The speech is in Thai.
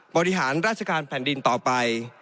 บริหารราชการแผ่นดินต่อไป